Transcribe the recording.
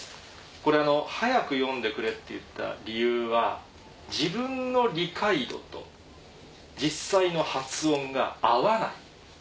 これ速く読んでくれって言った理由は自分の理解度と実際の発音が合わない。